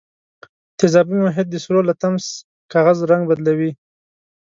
تیزابي محیط د سرو لتمس کاغذ رنګ بدلوي.